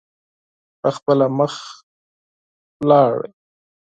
په خپله مخ لاړ.